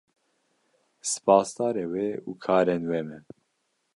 Spasdarê we û karên we me.